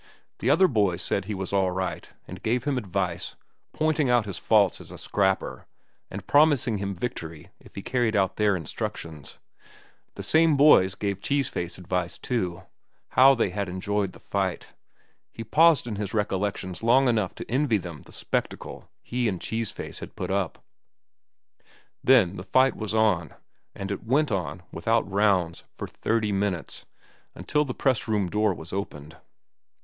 The other boys said he was all right, and gave him advice, pointing out his faults as a scrapper and promising him victory if he carried out their instructions. The same boys gave Cheese Face advice, too. How they had enjoyed the fight! He paused in his recollections long enough to envy them the spectacle he and Cheese Face had put up. Then the fight was on, and it went on, without rounds, for thirty minutes, until the press room door was opened.